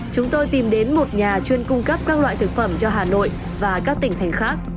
chúng tôi tìm đến một nhà chuyên cung cấp các loại thực phẩm cho hà nội và các tỉnh thành khác